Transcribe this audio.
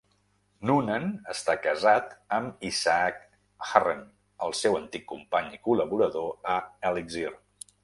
Noonan està casat amb Isaac Hurren, el seu antic company i col·laborador a Elixir.